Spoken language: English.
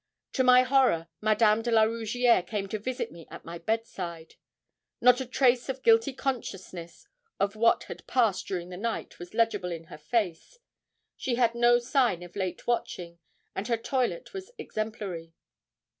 To my horror, Madame de la Rougierre came to visit me at my bedside. Not a trace of guilty consciousness of what had passed during the night was legible in her face. She had no sign of late watching, and her toilet was exemplary.